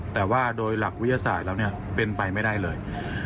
แต่ว่าโดยหลักวิทยาศาสตร์แล้วเป็นไปไม่ได้เลย